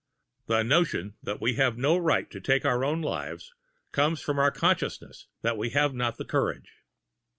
The notion that we have not the right to take our own lives comes of our consciousness that we have not the courage.